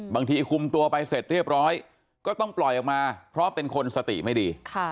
คุมตัวไปเสร็จเรียบร้อยก็ต้องปล่อยออกมาเพราะเป็นคนสติไม่ดี